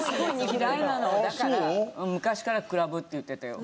だから昔からクラブって言ってたよ。